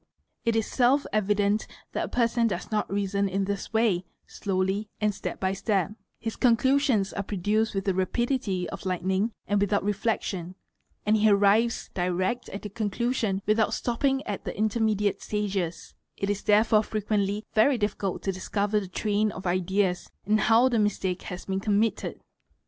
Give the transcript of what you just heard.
It is self evident that a person does not reason in this way, slowly and step by step; his conclusions are produced with the rapidity of _ lightning and without reflection, and he arrives direct at the conclusion without stopping at the intermediate stages; it is therefore frequently yery difficult to discover the train of ideas and how the mistake has been committed.